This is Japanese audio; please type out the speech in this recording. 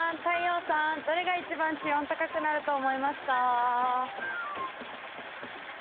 太陽さんどれが一番地温高くなると思いますか？